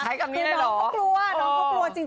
ใช้คำนี้ได้เหรอคือน้องก็กลัวน้องก็กลัวจริง